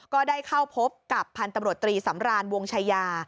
ก็ได้เข้าพบกับพันธุ์ตำรวจตรีสำรานวงชายา